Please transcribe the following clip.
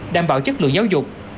đảm bảo chất lượng giáo dục